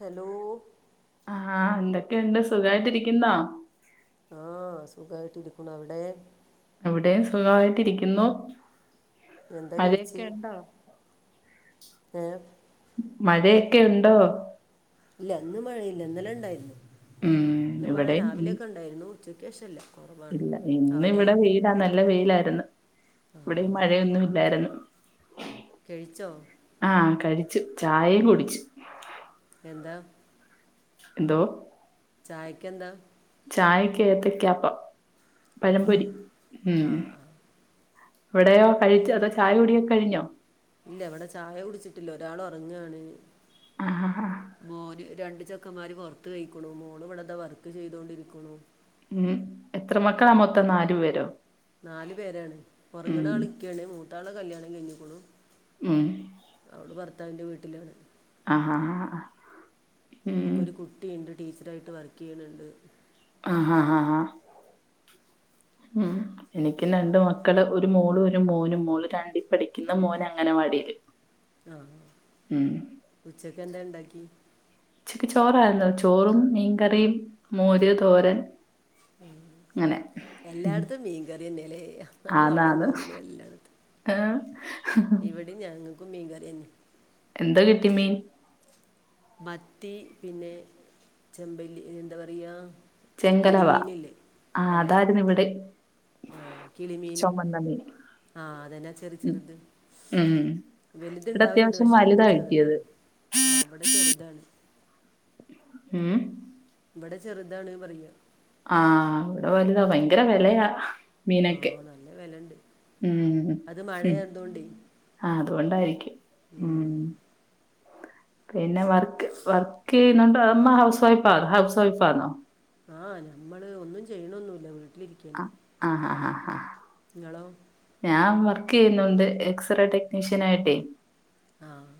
Hello? ആഹ് എന്തൊക്കെണ്ട്? സുഖായിട്ടിരിക്കുന്നോ? ആഹ സുഖായിട്ടിരികുന്നു. ‌ അവിടെ? അവിടെയും സുഖമായിട്ടി രിക്കുന്നു. എന്താ കഴിച് ഏഹ്? മഴെക്കെ ഉണ്ടോ? ല്ല ന്ന് മഴയില്ല ഇന്നലെണ്ടായിര്ന്നു ഉം ഇന്ന് മഴ ഇവിടെയും ഇ- രാവിലെക്കെണ്ടായിരുന്നു ഉച്ചക്കേശല്ല. ഇല്ല ഇന്നിവിടെ വെയിലാ നല്ല വെയിലായിരുന്നു ഇവിടെ മഴയൊന്നും ഇല്ലായിരുന്നു. കഴിച്ചോ? ആഹ് കഴിച്ച് ചായേം കുടിച്ച്. എന്താ. എന്തോ ചായക്കെന്താ? ചായക്ക് ഏത്തക്കപ്പം ആ പഴം പൊരി ഉം ആ ആ അവിടെയോ കഴിച്ചോ അതോ ചായ കുടിയൊക്കെ കഴിഞ്ഞോ? ഇല്ല ഇവിടെ ചായ കുടിച്ചിട്ടില്ല ഒരാള് ഉറങ്ങാണ്. ആഹ് മോന് രണ്ട് ചെക്കന്മാര് പുറത്ത് കഴിക്കണു മോള് ഇവിടെന്തോ വർക്ക് ചെയ്തോണ്ടിരിക്കുന്നു മം എത്ര മക്കളാ മൊത്തം നാലു പേരോ നാല് പേരാണ് ഒറങ്ങണ ഉം ആള് ഇക്കാണ് മൂത്ത ആള് കല്യാണം കഴിഞ്ഞേക്ക്ണു ഉം അവള് ഭർത്താവിന്റെ വീട്ടിലാ ആഹ് ഹാ ആഹ് ഉം അവൾക്കൊരു കുട്ടിയുണ്ട് ടീച്ചറായിട്ട് വർക്ക് ചെയ്യുന്നുണ്ട് ആഹ് ആഹ് ഹാ ഉം എനിക്കും രണ്ട് മക്കള് ഒരു മോളും ഒരു മോനും മോള് രണ്ടി പഠിക്കുന്ന് മോന് അംഗൻ വാടിയില് [inaudible] ആഹ് ഉച്ചക്ക് എന്താ ഉണ്ടാക്കി ഉച്ചക്ക് ചോറായിരുന്നു ചോറും മീൻകറിയും മോര് തോരൻ അങ്ങനെ എല്ലായിടത്തും മീൻകറിതന്നെയല്ലേ ആന്ന് ആന്ന് ഇവിടെ ഞങ്ങക്കും മീൻ കറി തന്നെയാ എന്താ കിട്ടി മീൻ മത്തി പിന്നെ ചെമ്പല്ലി എന്താ പറയാ ചെങ്കലവ ആഹ് അതായിരുന്നു ഇവിടെ ആഹ് കിളിമീന് ചുമന്ന മീൻ ആഹ് അതന്നെ ചെറിയ ഉം. ചെറുത് ഉം. വലുത് ഇവിടെ ഇണ്ടാവലുണ്ട് അത്യാവശ്യം പക്ഷെ ഇത് വലുതാ കിട്ടിയത് ചെറുതാണ് ആഹ് ഇവിടെ ചെറുതാണ് ഉം ഇവിടെ ചെറുതാണ് പറയ ആഹ് ഇവിടെ വലുതാ ഭയങ്കര വിലയാ മീനെക്കെ ആ നല്ല വില ഉണ്ട് ഉം അത് മഴയായതുകൊണ്ടേ ആഹ് അതുകൊണ്ടായിരിക്കും ഉം പിന്നെ വർക്ക് വർക്ക് ചെയ്യുന്നുണ്ട് അമ്മ ഹൗസ് വൈഫ് ആണോ ഹൗസ് വൈഫ് ആന്നോ ആഹ് ഞമ്മള് ഒന്നും ചെയ്യണൊന്നുമില്ല വീട്ടിലിരി അഹ് ആഹ് നിങ്ങളോ ഞാൻ വർക്ക് ചെയ്യുന്നുണ്ട് എക്സ്റേ ടെക്നീഷ്യൻ ആയിട്ടേ ആഹ്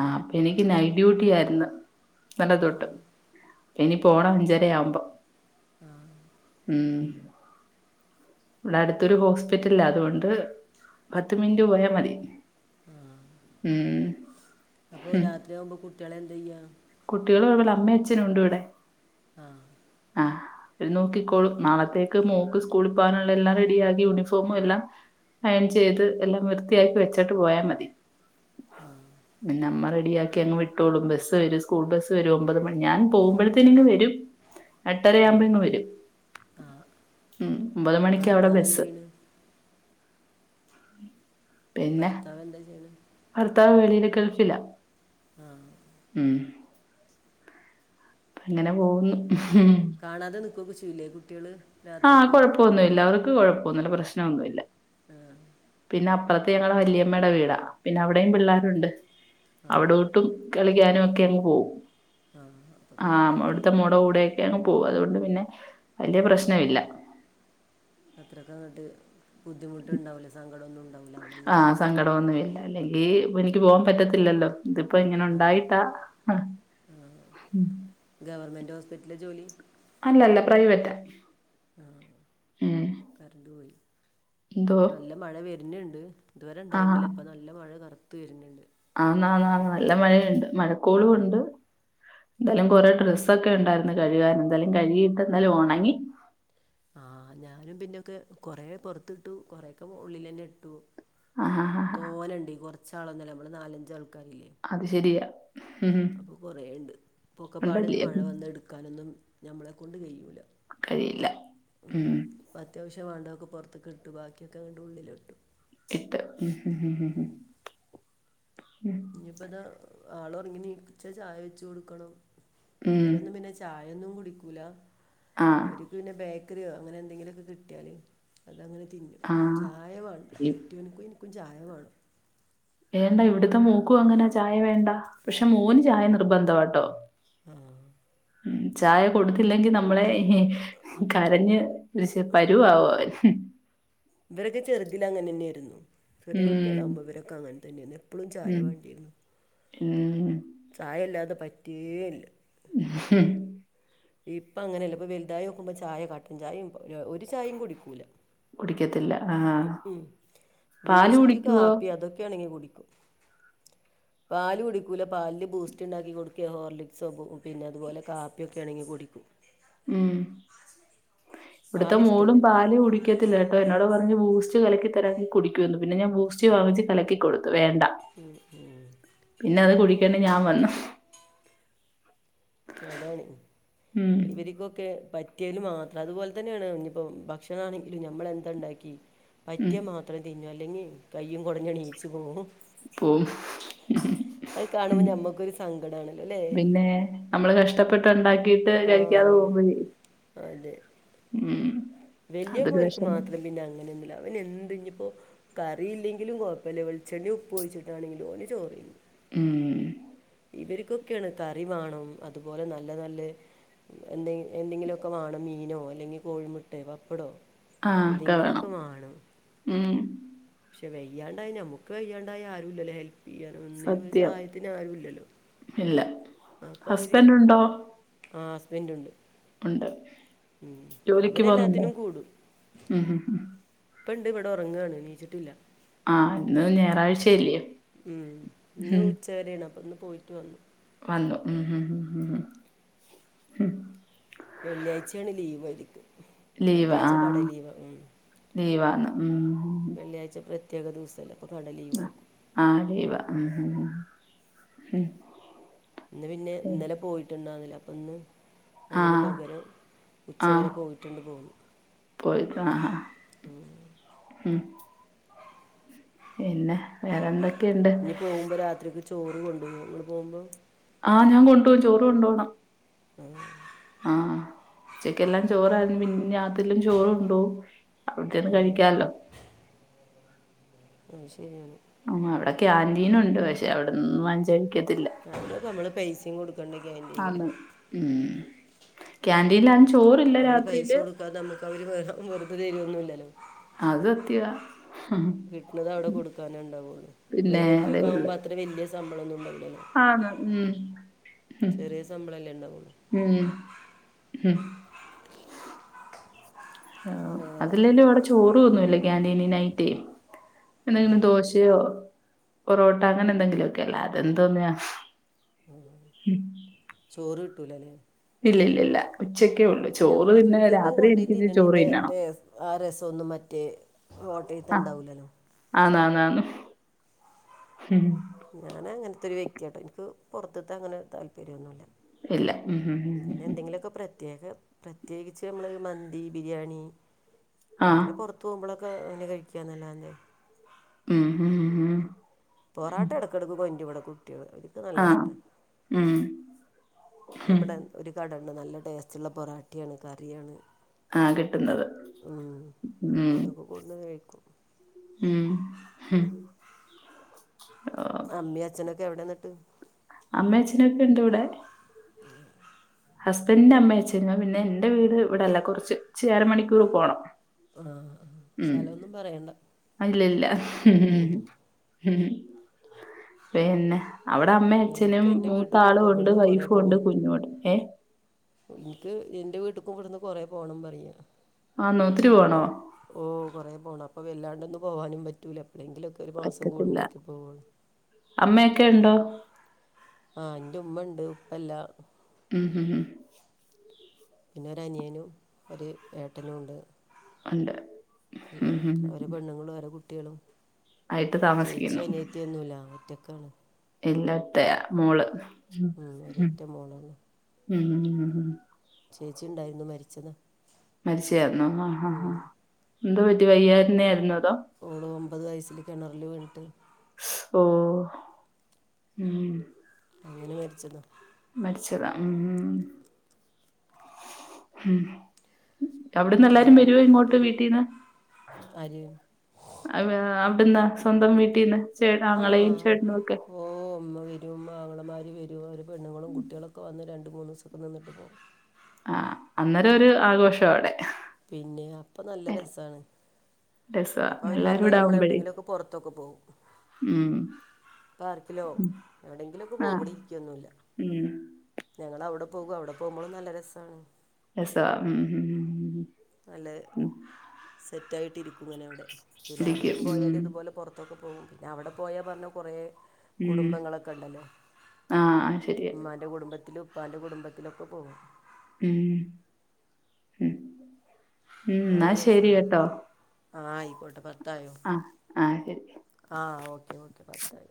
ആഹ് അപ്പൊ എനിക്ക് നൈറ്റ് ഡ്യൂട്ടി ആയിരുന്നു ഇന്നല ആ തൊട്ട് ഇനി പോണം അഞ്ചര ആവുമ്പോ ആ ഉം ഇവിടെ അടുത്തൊരു ഹോസ്പിറ്റലിലാ അതുകൊണ്ട് പത്ത് മിനിറ്റ് പോയാ മതി ആഹ് ഉം അപ്പൊ രാത്രി ആകുമ്പോ കുട്ടികളെ എന്താ ചെയ്യാ കുട്ടികളും ഇവിടെ അമ്മെ അച്ചനും ഉണ്ട് ഇവിടെ ആഹ് ആഹ് ഓര് നോക്കിക്കോളും നാളത്തേക്ക് മോക്ക് സ്കൂളിൽ പോകാനുള്ള എല്ലാം റെഡിയാക്കി യൂണിഫോമും എല്ലാം അയൺ ചെയ്ത് എല്ലാം വൃത്തിയാക്കി വെച്ചിട്ട് പോയാൽ മതി ആ പിന്നഅമ്മ റെഡിയാക്കി അങ്ങ് വിട്ടോളും ബസ് വരും സ് സ്കൂൾ ബസ് വരും ഒമ്പത് മണി ഞാൻ പോകുമ്പഴുത്തേനിങ്ങ് വരും ആ എട്ടരയാവുമ്പോങ്ങ് വരും ആ ഉ ഒമ്പത് മണക്ക് അവിടെ ഭർത്താവ് എന്ത് ബസ്. ചെയ്യണ് [inaudible] പിന്നെ ഭർത്താവ് എന്താ ചെയ്യണെ. ഭർത്താവ് വെളിയില് ഗൾഫിലാ. ആഹ് ഉം അങ്ങനെ പോവുന്നു കാണാതെ നിക്കുവൊക്കെ ചെയ്യില്ലേ കുട്ടിയള്. ആ കൊഴപ്പൊന്നുല്ല അവർക്ക് കൊഴപ്പൊന്നുല്ല പ്രശ്നഒന്നുല്ല. ആഹ് പിന്നെ അപ്പറത്തെ ഞങ്ങളെ വല്യമ്മയുടെ വീടാ പിന്നെ അവിടേം പിള്ളാരുണ്ട് ആ അവ്ടോ ട്ടും കളിക്കാനൊക്കെ അങ്ങ് പോവും. ആ അപ്പ പിന്നെ കൊഴപ്പല്ല. ക്കെങ്ങ് പോകും അതുകൊണ്ട് പിന്നെ വലിയ പ്രശ്നയില്ല. അത്രൊക്കെ അങ്ങട്ട് ബുദ്ധിമുട്ടുണ്ടാവൂല്ല സങ്കടന്നുണ്ടാവൂല്ല. ആ സങ്കടവൊന്നു ഇല്ല അല്ലെങ്കിപ്പൊ നിക്ക് പോവാൻ പറ്റത്തില്ലല്ലോ? ഇതിപ്പോ ഇങ്ങനെ അതെ ഒണ്ടായിട്ടാ അ ഹും ഗവർമെന്റ് ഹോസ് പ്പിറ്റല ജോലി? അല്ലല്ല പ്രൈവറ്റാ ആ ഉം കരണ്ട് പോയി എന്തോ നല്ല മഴ വര്ന്ണ്ട്. ഇതുവരെ ആഹ് ഇണ്ടായിരുന്നില്ല ഇപ്പ നല്ല മഴ കറ്ത്ത് വര്ന്ണ്ട്. ആ ന ന നല്ല മഴയ്ണ്ട് ഉം മഴക്കോളുണ്ട് എന്താലും കൊറെ ഡ്രസ്സൊക്കെണ്ടാരുന്നു കഴുകാന് എന്താലും കഴുകിട്ട് എന്നാലും ഒണങ്ങി ആ ഞാനും പിന്നൊക്കെ കൊറെ പൊറത്തിട്ടു കൊറെയൊക്കെ ഉള്ളിലന്നെട്ടു ആഹ് ആഹ് ആഹ് തോനണ്ടീ കൊറച്ചാളൊന്നല്ല മ്മള് നാലഞ്ചാൾക്കാരില്ലേ? അത് ശരിയാ ഉം അപ്പൊ കൊറേണ്ട് പൊക്കപ്പാടെന്ന് ഉണ്ടല്ലേ മഴ വന്നെടുക്കാനൊന്നും മ്മളെ കൊണ്ട് കയ്യൂല. ഴിയില്ല. ഉം പ്പ അത്യാവശ്യം വേണ്ടൊക്കെ പൊറത്ത്ക്കിട്ടു ബാക്കിയൊക്കെ ങ്ങണ്ട് ഉള്ളിലിട്ടു. ഇട്ട് മ് മ് മ് മ് മ് മ് ഞ്ഞിപ്പതാ ആളൊറങ്ങിണീച്ച ചായ വെച്ച് കൊടുക്കണം ഉം ഇവരൊന്നും പിന്നെ ച് ചായൊന്നും കുടിക്കൂല? ആഹ് വര്ക്ക് പിന്നെ ബേക്കറിയോ അങ്ങനെ എന്തെങ്കിലൊക്കെ കിട്ടിയാല് അതങ്ങനെ തിന്നും. ആഹ് ചായ വേണം ഈ കെട്ടിയോനുക്കും ഇൻ ക്കും ചായ വേണം. വേണ്ടാ ഇവിടത്തെ മോക്കും അങ്ങനാ ചായ വേണ്ട പക്ഷെ മോന് ചായ നിർബന്ധവാട്ടോ? ഉം ഉം ചായ കൊട്ത്തില്ലെങ്കി നമ്മളെ ഹി കരഞ് ദൃശ്യ പരുവാവുഅവൻ. വരൊക്കെ ചെറുതിലങ്ങനന്നെയായിരുന്നു. ചെറിയ ഉം കുട്ടികളാവുമ്പോ ഇവരൊക്കെ അങ്ങനെ തന്നെയായിന്നു എപ്പളും ചായ ഉം വേണ്ടിരുന്നു. ഉം ചായ ഇല്ലാതെ പറ്റേയില്ല. ആഹ് ഇപ്പൊ അങ്ങനെയല്ല ഇപ്പൊ വലുതായി ഓക്കുമ്പോ ചായ കട്ടൻചായയും ഒരു ഒരു ചായയും കുടിക്കൂല. കുടിക്കത്തില്ല ആഹ് ഉം പാല് ബൂസ്റ്റ് കുടിക്കുവോ കാപ്പി അതൊക്കെയാണെങ്കി കുടിക്കും. [inaudible] പാല് കുടിക്കൂല പാലില് ബൂസ്റ്റ്ണ്ടാക്കി കൊടുക്കെയോ ഹോർലിക്സോ പിന്നെ അതുപോലെ കാപ്പിയൊ ക്കെണങ്കി കുടിക്കും. ഉം ഇവ്ട്ത്തെ പാല് മോളും ഇഷ്ടമല്ല പാല്കുടി ക്കത്തില്ലട്ടോ. എന്നോട് പറഞ്ഞ് ബൂസ്റ്റ് കലക്കി തരാങ്കി കുടിക്കുന്ന്‌. പിന്നെ ഞാൻ ബൂസ്റ്റ് വാങ്ങിച്ച് കലക്കി കൊടു വേണ്ട. പിന്നെ അത് കുടിക്കേണ്ടി ഞാൻ വന്നു. അതാണ് ഉം ഇവര്ക്കൊക്കെ പ റ്റിയേല് മാത്രം അതുപോലെ തന്നെയാണ് ഞ്ഞിപ്പോ ഭക്ഷണ ആണെങ്കിലും ഞമ്മളെന്താണ്ടാക്കി ഉം പറ്റിയാമാ ത്രം തിന്നും അല്ലെങ്കി കയ്യും കൊടഞ്ഞെണീച്ചു പോവും. പോവും അത് കാണുമ്പോ ഉം ഞമ്മക്കൊരു സങ്കട ആണല്ലോ ല്ലേ? പിന്നെ നമ്മള് കഷ്ടപ്പെട്ട്ണ്ടാക്കിട്ട് ആ കഴിക്കാതെ പോകുമ്പോഴെ. ഉം. വല്യ അതൊരു മോൻക്ക് വെഷമം മാത്രം പിന്നെ അങ്ങനൊന്നും അവൻ എന്ത് ഞ്ഞപ്പോ കറിയില്ലെങ്കിലും കൊഴപ്പല്ല. വെളിച്ചെണ്ണ ഉപ്പ് ഒഴിച്ചിട്ടാണെങ്കിലും ഓന് ചോറ് ഉം. ഇവര്ക്കൊക്കെണ് കറി വാണം അതുപോലെ നല്ല നല്ല, എന്തെ എന്തെങ്കിലുമൊക്കെ വാണം. മീനോ അല്ലെങ്കിൽ കോഴിമുട്ടെ, പപ്പടോ ആഹ് ഒക്കെ വേണം ഏതെങ്കിലുക്കെ വാണം. ഉം പക്ഷെ വയ്യാണ്ടായി, നമുക്ക് വയ്യാണ്ടായി ആരും ഇല്ലല്ലോ ഹെൽപ് ചെയ്യാനും ഒന്നിനും ഒരു സത്യം സഹായത്തിന് ആരുല്ലല്ലോ. ഇല്ല അപ്പൊ അവര് ഹസ്ബൻഡ് ഉണ്ടോ ആ ഹസ്ബൻറ് ഉണ്ട്. ഉണ്ട്. ജോലിക്ക് പോന്നുണ്ടോ? അവരെല്ലാത്തിനും ഉ ഉം. ഇപ്പ ഇണ്ട് ഇവിടെ ഉറങ്ങാണ്, എണീച്ചിട്ടില്ല. ആഹ ഇന്ന് ഞായറാഴ്ചല്ലയോ, ഹും. [unintelligible] അപ്പ ന്ന് പോയിട്ട് വന്നു. വന്നു. ഉം ഉം ഉം ഹ വെള്ളിയാഴ്ചയാണ് ലീവ് അവര്ക്ക്. ലീവാ വെള്ളിയാഴ്ച്ച കട ആഹ് ലീവ്. ഉം. ലീവാന്ന് ഉം വെള്ളിയാഴ്ച പ്രത്യേക ദിവസല്ലേ അപ്പൊ കട ലീവാക്കും. ആഹ് ലീവ. ഉം ഉം. ഇന്ന് പിന്നെ ഉം ഇന്നലെ പോയിട്ടുണ്ടായിന്നില്ല. അപ്പൊ ഇന്ന് അതിന് ആഹ് പകരം ഉച്ചവരെ പോയിട്ട് ഇങ്ങട് പോന്നു. ആ ആ ഉം. പിന്നെ വേറെന്ത. ഇനി പോകുമ്പോ രാത്രിക്ക് ചോറ് കൊണ്ടുപോകുമോ? ങ്ങള് പോകുമ്പോ? ആ ഞാൻ കൊണ്ട് പോകും. ചോറ് കൊണ്ട് പോണം. ഉം ആഹ്. ഉച്ചക്കെല്ലാം ചോറ പിന്ന അതിലും ചോറുണ്ടോകും അവിടന്ന് ആ കഴിക്കാല്ലോ. അത് ശരിയാണ്. ആ അവിടെ ക്യാന്റീനുണ്ട് പക്ഷെ അവിടെന്ന് വാങ്ച് അവടെ നമ്മള് പൈസയും കൊടുക്കണ്ട ക്യാന്റിങ്ങില്. ആന്ന് ഉം ക്യാൻഡിലാ നമ്മള് പൈസ കൊടുക്കാതെ നമ്മുക്ക് അവര് വ വെറുതെ തരുമൊന്നുല്ലല്ലോ. അത് സത്യാ. കിട്ടണത് അവിടെ കൊടുക്കാനേ ഉണ്ടാവുള്ളൂ. പിന്നെ അതേ പ്രൈവറ്റിലൊക്കെ ഉള്ളു ആകുമ്പോൾ അത്ര വലിയ ശമ്പളമൊന്നും ഉണ്ടാവില്ലല്ലോ. ആന്ന് ഉം ഉം ചെറിയ ശമ്പളല്ലേ ഉണ്ടാവൂള്ളൂ. ഉം ഉം. ആ വേറെ അതിലല്ലേലും എന്തൊക്കെ അവിടെ ചോറ് ന്നല്ല ക്യാൻറ്റീനായിട്ടെ. ആ എന്തെങ്കിലും ദോശയോ, പൊറോട്ട അങ്ങനെ എന്തെങ്കിലൊക്കെ അല്ലാതെന്തോന്നാ. ചോറ് കിട്ടൂലല്ലേ? ഇല്ലില്ലില്ല. ഉച്ചക്കേ ഉള്ളു. പിന്നെ ചോറ് നമ്മൾ പിന്നെ വീട്ടിൽ നിന്ന് രാത്രി കൊണ്ടുപോയി എനിക്ക് ഇത്തിരി ചോറ് തിന്നണതിൻ്റെ തിന്നണം. ടേസ് ആ രസന്നും മറ്റേ [unintelligible] ചെയ്തണ്ടാവില്ലല്ലോ. ആന്നാ ന്നാന്ന്‌. ഉം. ഞാൻ അങ്ങനത്തെ ഒരു വ്യക്തിയാട്ടോ എനിക്ക് പുറത്തിത്തെ അങ്ങനെ താല്പര്യന്നുല്ല. ഇല്ല ഉം ഉം ഉം പിന്നെ ഉം എന്തെങ്കിലുക്കെ പ്ര - പ്രത്യേക പ്രത്യേകിച്ച് നമ്മള് മന്തി ബിരിയാണി ഉം ആഹ് അങ്ങനെ പുറത്ത്- വുമ്പോളക്കെ ഇങ്ങനെ കഴിക്കാ എന്നല്ലാതെ. ഉം ഉം ഉം ഉം പോറട്ടടക്കെടക്ക് കൊന്റരും കുട്ടിയള് അത് നല്ല ആഹ് ഇഷ്ടാ ഉം അ ഉം ഇബടെ ഒരു കട ഇണ്ട് നല്ല ടേസ്റ്റുള്ള പൊറാട്ടയാണ് കറിയാണ് ആഹ് കിട്ടുന്നത് ഉം അപ്പൊ ഉം അതൊക്കെ കോടന്നു കഴിക്കും ഉം അമ്മി അച്നൊക്കെ എവിടെന്നട്ട് അമ്മി അച്ഛനൊക്കെ ഇണ്ട് ഇവിടെ ഹസ്ബൻറിന്റെ അമ്മയെച്ചനാ പിന്നെ എന്റെ വീട് ഇവിടെല്ല കുറച്ച് ഇച്ചരി അര മണിക്കൂർ പോണം ആ ആ ഉം സ്ഥലമൊന്നും പറയണ്ട ഇല്ലല്ല ഉം പിന്നെ അവിടെ അമ്മ എനിക്ക് അച്ഛനും എൻ്റെ വീട്ടിലേക്കും മൂത്താളുണ്ട് ഇവിടുന്ന് കുറേ വൈഫും ഉണ്ട് കുഞ്ഞുണ്ട് ഏ ഇൻക്ക് ഇന്റെ വീട്ട്ക്കും ഇവിടുന്ന് കൊറേ പോണം പറയാ ആന്നോ ഒത്തിരി പോണോ അ- ഓ കൊറെ പോണം അപ്പൊ വല്ലാണ്ടൊന്നും പോവാനും പറ്റൂല എപ്പോളെങ്കിലൊക്കെ ഒരു മാസം പറ്റത്തില്ല കൂടുമ്പോളൊക്കെ പോവ അമ്മയൊക്കെ ഉണ്ടോ ആഹ് ന്റെ ഉമ്മ ഉണ്ട് ഉപ്പല്ല ഉം ഉം പിന്നെ ഒരനിയനും ഒരു ഏട്ടനും ഉണ്ട് ഉണ്ട് ഉം അവര് പെണ്ണുങ്ങളും അവരെ കു ട്ടിയളും ആയിട്ട് ചേച്ചി താമസിക്കുന്നു അനിയത്തിയൊന്നുല്ല ഒറ്റക്കാണ് ഇല്ലത്ത മോള് ഉം, ഒരൊറ്റ മോളാണ് ചേച്ചി ഉണ്ടായിരുന്നു മരിച്ചതാ മരിച്ചായിരുന്നു ആ ആ ആ എന്തു പറ്റി വയ്യരുന്ന ആയിരുന്നോ അതോ ഓള് ഒമ്പത് വയസ്സിൽ കിണറൽ വീണിട്ട് ഓ ഉം അങ്ങനെ മരിച്ചനതാ മര്ച്ചതാ ഉ ഉ അവിടന്ന് എല്ലാരും വേറെ വരുവോ എന്തൊക്കെയാണ് ഇങ്ങോട്ട് എന്നിട്ട് വീട്ടീന്ന് ആര് അ അവിടന്താ സ്വന്തം വീട്ടീന്ന് ചേ ആ ആങ്ങളെയും ചേട്ടനും ഒക്കെ ഓ അമ്മ വരും അങ്ങളമാര് വരു പെണ്ണുങ്ങളും കുട്ടിയളൊക്കെ വന്ന് രണ്ട് മൂന്ന് ദിവസൊക്കെ നിന്നട്ട് പോവും ആ അന്നേര ഒരു ആഘോഷം അവിടെ പിന്നെ അപ്പൊ നല്ല രസാണ് രസവാ അപ്പൊ അവര് എല്ലാരും വന്നാ കൂടെ നമ്മള ആവുമ്പഴേ എവിടെങ്കിലൊക്കെ പൊറത്തൊക്കെ പോവും ഉം പാർക്കിലോ ഉം എവിടെങ്കിലൊക്കെ ആ പോവും ഇവടെ ഇരിക്കൊന്നുല്ല ഉം ഞങ്ങളവിടെ പോകും അവിടെ പോകുമ്പോഴും നല്ല രസാണ് രസാ ഉം ഉം നല്ല ഉം സെറ്റായിട്ടിരിക്കും ങ്ങനെ അവിടെ പിന്നെ ഇരിക്കും അവിടിം പോയാല് ഉം ഇതുപോലെ പുറ റത്തൊക്കെ പോവും പിന്നെ അവിടെ പോയാ പറഞ്ഞ് കുറേ ഉം കുടുംബങ്ങളൊക്കെ ഉണ്ടല്ലോ ആ ശരിയാ മ്മാൻ ൻ്റെ കുടുംബത്തിലും ഉപ്പാന്റെ കുടുംബത്തിലൊക്കെ പോകും ഉം ഉം ഉം എന്നാ നല്ല രസ ശരി കേട്ടോ ആഹ ആയിക്കോട്ടെ പത്തായോ. ആഹ് ആഹ ശരി ആഹ് ഓക്കെ ഓക്കെ പത്തായി.